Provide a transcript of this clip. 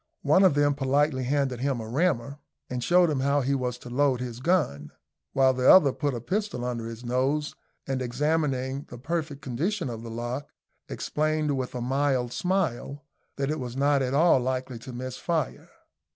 One of them politely handed him a rammer, and showed him how he was to load his gun, while the other put a pistol under his nose, and exhibiting the perfect condition of the lock, explained with a mild smile that it was not at all likely to miss fire.